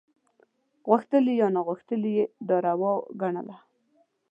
غوښتلي یا ناغوښتلي یې دا روا ګڼله.